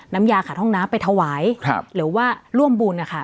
น้ำยาขาดห้องน้ำไปถวายหรือว่าร่วมบุญนะคะ